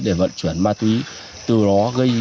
để vận chuyển ma túy từ đó gây